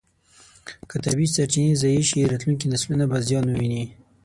که طبیعي سرچینې ضایع شي، راتلونکي نسلونه به زیان وویني.